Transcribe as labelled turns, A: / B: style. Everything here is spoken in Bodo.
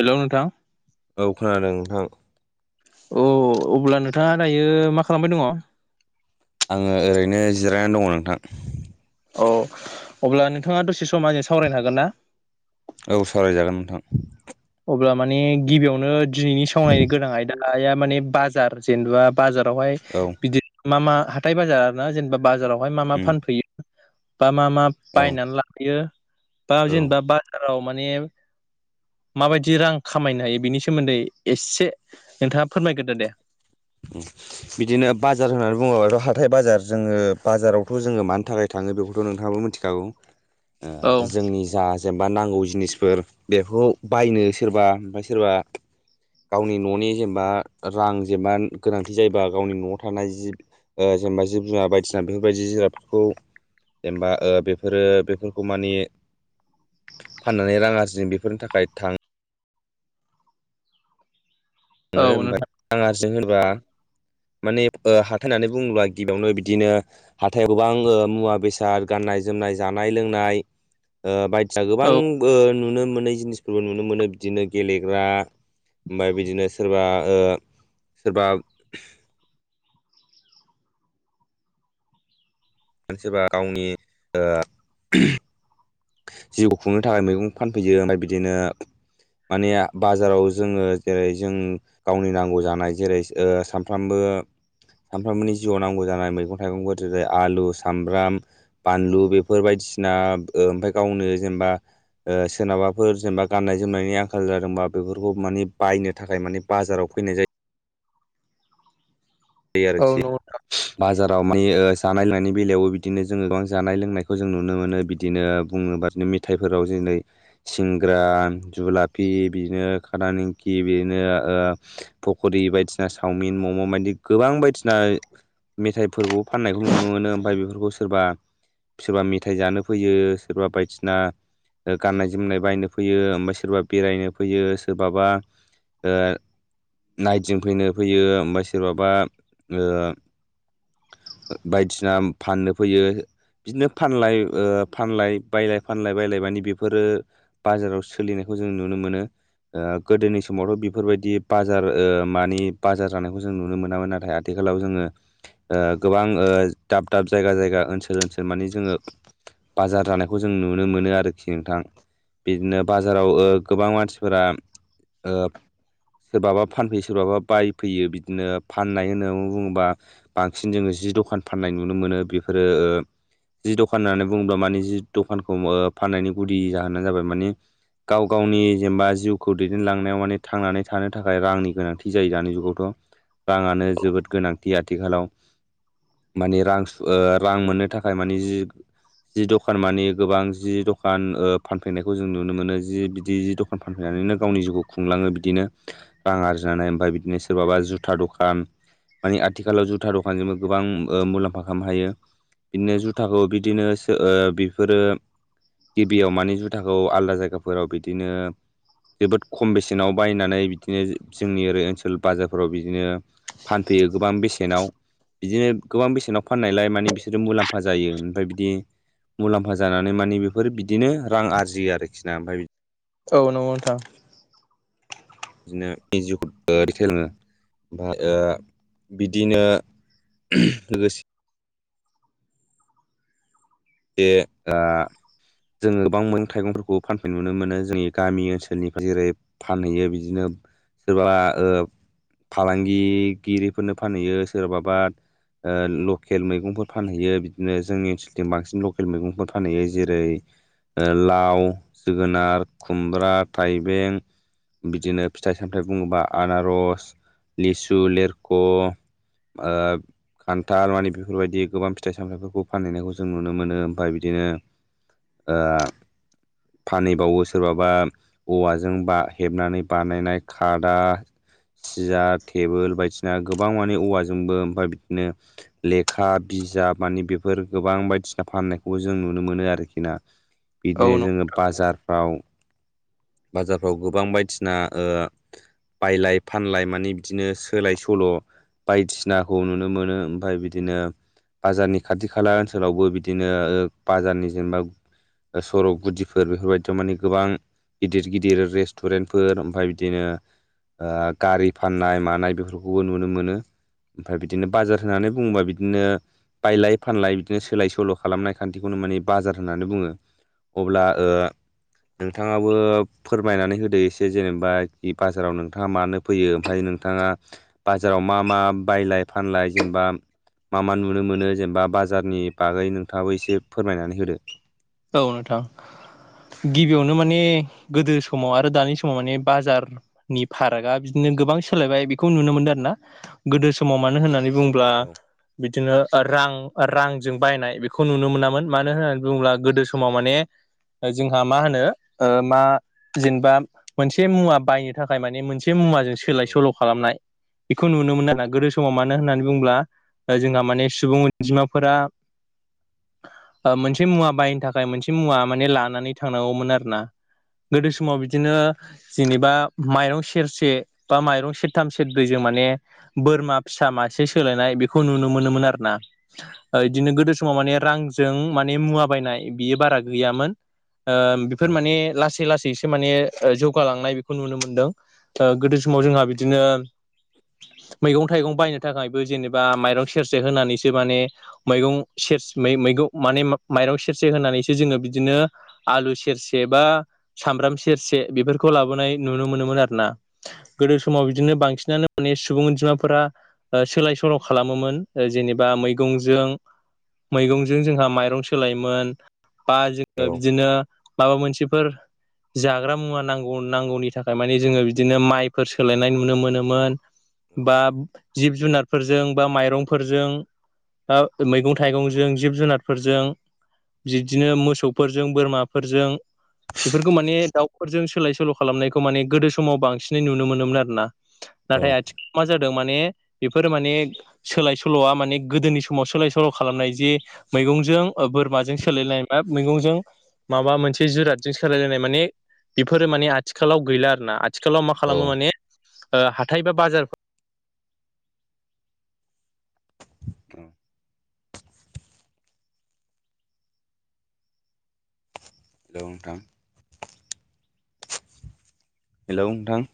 A: हेल' नोंथां
B: औ खोनादों नोंथां
A: औ अब्ला नोंथाङा दायो मा खालामबाय दङ
B: आङो ओरैनो जिरायनानै दङ नोंथां
A: औ अब्ला नोंथाङा दसे सम आंजों सावरायनो हागोन ना
B: औ सावरायजागोन नोंथां
A: अब्ला माने गिबियावनो दिनैनि सावरायनो गोनां आयदाया माने बाजार जेनेबा बाजारावहाय
B: औ
A: बिदिनो मा मा हाथाय बाजार आरो ना जेनेबा बाजारावहाय मा मा
B: उम
A: फानफैयो बा मा मा
B: औ
A: बायनानै लाबोयो बा
B: औ
A: जेनेबा बाजाराव माने माबायदि रां खामायनो हायो बेनि सोमोनदै एसे नोंथाङा फोरमायग्रोदो दे
B: बिदिनो बाजार होननानै बुङोबाथ' हाथाय बाजार जोङो बाजारावथ' जोङो मानि थाखाय थाङो बेखौथ' नोंथाङाबो मिथिखागौ
A: [inaudible]
B: जोंनि जा जेनेबा नांगौ जिनिसफोर बेखौ बायनो सोरबा ओमफ्राय सोरबा गावनि न'नि जेनेबा रां जेनेबा गोनांथि जायोबा गावनि न'आव थानाय जि जेनेबा जिब जुनार बायदिसिना बेफोरबायदि जुनादफोरखौ जेनेबा ओ बेफोरो बेफोरखौ माने फाननानै रां आरजिदों बेफोरनि थाखाय थां
A: औ
B: थाङो होनबा
A: नोंथां
B: रां आरजिनो होनबा माने हाथाय होननानै बुङोब्ला गिबियावनो बिदिनो हाथायाव गोबां मुवा बेसाद गाननाय जोमनाय जानाय लोंनाय ओ बायदिया गोबां
A: औ
B: नुनो मोनै जिनिसफोरबो नुनो मोनो बिदिनो गेलेग्रा ओमफ्राय बिदिनो सोरबा ओ सोरबा मानसिबा गावनि ओ जिउखौ खुंनो थाखाय मैगं फानफैयो ओमफ्राय बिदिनो माने बाजाराव जोङो जेरै जों गावनि नांगौ जानाय जेरै ओ सानफ्रोमबो सानफ्रामबोनि जिउआव नांगौ जानाय मैगं थाइगंफोर जेरै आलु सामब्राम बानलु बेफोर बायदिसिना ओमफ्राय गावनो जेनेबा ओ सोनाबाफोर जेनेबा गाननाय जोमनायनि आंखाल जादोंबा बेफोरखौ मानि बायनो थाखाय मानि बाजाराव फैनाय जायो जायो
A: औ
B: आरोखि
A: नंगौ
B: बाजाराव माने जानाय लोंनायनि बेलायावबो बिदिनो जोङो गोबां जानाय लोंनायखौ जों नुनो मोनो बिदिनो बुङोबा बिदिनो मेथाइफोराव जेरै सिंग्रा जुलाफि बिदिनो कादा निंखि बिदिनो पकरि बायदिसिना चावमिन मम बायदि गोबां बायदिना मेथाइफोरखौ फाननायखौ नुनो मोनो ओमफफ्राय बेफोरखौ सोरबा सोरबा मेथाइ जानो फैयो सोरबा बायदिसिना गाननाय जोमनाय बायनो फैयो ओमफ्राय सोरबा बेरायनो फैयो सोरबाबा ओ नाइटजों फैनो फैयो ओमफ्राय सोरबा बा ओ बायदिसिना फाननो फैयो बिदिनो फानलाय ओ फानलाय बायलाय फानलाय बायलाय माने बेफोरो बाजाराव सोलिनायखौ जों नुनो मोनो गोदोनि समावथ' बेफोरबायदि बाजार मानि बाजार जानायखौ जों नुनो मोनो नुनो मोनामोन नाथाय आथिखालाव जोङो गोबां दाब दाब जायगा जायगा ओनसोल ओनसोल माने जोङो बाजार जानायखौ जों नुनो मोनो आरोखि नोंथां बिदिनो बाजाराव ओ गोबां मानसिफोरा ओ सोरबाबा फानफैयो सोरबाबा बायफैयो बिदिनो फाननाय होननानै बुङोबा बांसिन जोङो जि दखान फाननाय नुनो मोनो बेफोरो जि दखान होननानै बुङोब्ला माने जि दखानखौ फाननायनि गुदि जाहोनानो जाबाय मानिे गाव गावनि जेनेबा जिउखौ दैदेनलांनायाव माने थांनानै थानो थाखाय रांनि गोनांथि जायो दानि जुगावथ' राङानो जोबोद गोनांथि आथिखालाव माने रां रां मोननो थाखाय माने जि जि दखान माने गोबां जि दखान फानफैनायखौ जों नुनो मोनो जि बिदि जि दखान फानफैनानैनो गावनि जिउखौ खुंङो बिदिनो रां आर्जिनानै ओमफ्राय बिदिनो सोरबा जुथ जुथा दखान माने आथिखालाव जुथा दखानजोंबो गोबां मुलाम्फा खालामनो हायो बिदिनो जुथाखौ बिदिनो बेफोरो गिबियाव माने जुथाखौ आलदा जायगाफोराव बिदिनो जोबोद खम बेसेनाव बायनानै बिदिनो जोंनि ओरै ओनसोल बाजारफोराव बि बिदिनो फानफैयो गोबां बेसेनाव बिदिनो गोबां बेसेनाव फाननायलाय माने बिसोरो मुलाम्फा जायो ओमफ्राय बिदि मुलाम्फा जानानै माने बेफोर बिदिनो रां आरजियो आरोखि ना ओमफफ्राय
A: औ नंगौ नोंथां
B: बिदिनो नि जिउखौ रैथ लोङो ओमफ्राय ओ बिदिनो लोगोसे बे आ जोङो गोबा मेगं थाइगंफोरखौ फानफैनाय नुनो मोनो जोंनि गामि ओनसोलनिफ्राय जेरै फानहैयो बिदिनो सोरबा फालांगिगिरिफोरनो फानहैयो सोरबाबा लकेल मैगंफोर फानहैयो बिदिनो जोंनि ओनसोलथि बांसिन लकेल मैगंफोर फानहैयो जेरै ओ लाव जोगोनार खुमब्रा थाइबें बिदिनो फिथाइ सामथायाइ बुङोब्ला आनारस लिसु लिरख' ओ खान्थाल मानि बेफोरबायदि गोबां फिथाइ सामथायाइफोरखौ फानहैनायखौ जों नुनो मोनो ओमफ्राय बिदिनो फानहैबावो सोरबाबा औवाजों ब हेबनानै बानायनाय खादा सियार टेबोल बायदिसिना गोबां मे औवाजोंबो ओमफ्राय बिदिनो लेखा बिजाब माने बेफोर गोबां बायदिसिना फखा फाननायखौबो जों नुनो मोनो आरोखि ना
A: औ
B: बिदिनो जोङो बाजारफ्राव बाजारफ्राव गोबां बायदिना ओ बायलाय फानलाय माने बिदिनो सोलाय सोल' बायदिसिनाखौ नुनो मोनो ओमफफ्राय बिदिनो बाजारनि खाथि खाला ओनसोलावबो बि बिदिनो बाजारनि जेनेबा सरक गुदिफोर बेफोरबायदियाव माने गोबां गिदिर गिदिर रेस्टुरेन्टफोर ओमफ्राय बिदिनो ओ गारि फाननाय मानाय बेफोरखौबो नुनो मोनो ओमफ्राय बिदिनो बाजार होननानै बुङोबा बिदिनो बायलाय फानलाय बिदिनो सोलाय सोल' खालामनाय खान्थिखौनो माने बाजार होननानै बुङो अब्ला ओ नोंथाङाबो फोरमायनानै होदो एसे जेनेबा बाजाराव नोंथाङा मानो फैयो ओमफ्राय नोंथाङा बाजाराव मा मा बायलाय फानलाय जेनेबा मा मा नुनो मोनो जेनेबा बाजारनि बागै नोंथाङाबो एसे फोरमायनानै होदो
A: औ नोंथां गिबियावनो माने गोदो समाव आरो दानि समाव माने बाजार नि फारागा बिदिनो गोबां सोलायबाय बेखौ नुनो मोनदों आरो ना गोदो समाव मानो होननानै बुंब्ला
B: औ
A: बिदिनो रां रांजों बायनाय बेखौ नुनो मोनामोन मानो होननानै बुङोब्ला गोदो समाव माने जोंहा मा होनो मा जेनेबा मोनसे मुवा बायनो थाखाय माने मोनसे एसे मुवाजों सोलाय
B: औ
A: सोल' खालामनाय बेखौ नुनो मोनो आरो गोदो समाव मानो होननानै बुंब्ला जोंहा माने सुबुं अनजिमाफोरा मोनसे मुवा बायनो थाखाय मोनसे मुवा माने लानानै थांनांगौमोन आरो ना गोदो समाव बिदिनो जेनेबा माइरं सेरसे बा माइरं सेरथाम सेर ब्रैजों माने बोरमा फिसा मासे सोलायनाय बेखौ नुनो मोनोमोन आरो ना ओ इदिनो गोदो समाव माने रांजों माने मुवा बायनाय बि बारा गैयामोन बेफोर
B: औ
A: माने लासै लासैसो माने जौगालांनाय बेखौ नुनो मोनदों गोदो समाव जोंहा बिदिनो मैगं थाइगं बायनो थाखायबो जेनेबा माइरं सेरसे होनानैसो माने मैगं सेरस मैगं माने माइरं सेरसे होनानैसो जोङो बिदिनो आलु सेरसे बा सामब्राम सेरसे बेफोरखौ लाबोनाय नुनो मोनोमोन आरो ना गोदो समाव बिदिनो बांसिनानो माने सुबुं अनजिमाफोरा सोलाय सोल' खालामोमोन जेनेबा मैगंजों मैगंजों जोंहा माइरं सोलायोमोन बा जोङो बिदिनो माबा मोनसेफोर जाग्रा मुवा नांगौ नांगौनि थाखाय मानि जोङो बिदिनो माइफोर सोलायनाय नुनो मोनोमोन बा जिब जुनारफोरजों बा माइरंफोरजों मैगं थाइगंजों जिब जुनारफोरजों बिदिनो मोसौफोरजों बोरमाफोरजों बेफोरखौ माने दाउफोरजों सोलाय सोल' खालामनायखौ माने गोदो समाव बांसिनै नुनो मोनोमोन आरो ना
B: औ
A: नाथाय आथिखाल मा जादों माने बेफोरो माने सोलाय सोल'आ माने गोदोनि समाव सोलाय सोल' खालामनाय जे मैगंजों ओ बोरमाजों सोलायलायनाय बा मैगंजों माबा मोनसे जिरादजों सोलायलायनाय माने बेफोरो माने आथिखालाव गैला आरो ना आथिखालाव मा
B: औ
A: खालामो माने ओ हाथाय बा बाजार
B: औ नोंथां हेलौ नोंथां